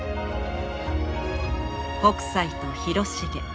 北斎と広重。